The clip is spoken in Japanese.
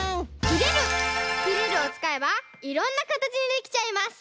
「きれる」をつかえばいろんなかたちにできちゃいます！